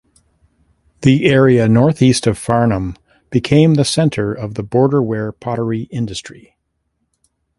The area northeast of Farnham became the centre of the Border ware pottery industry.